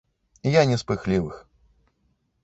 Я не з пыхлівых.